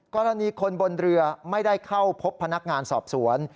กรณีคนบนเรือไม่ได้เข้าพบพนักงานสอบสวน